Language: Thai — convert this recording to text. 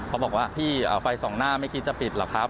เขาบอกว่าพี่ไฟสองหน้าไม่คิดจะปิดหรอกครับ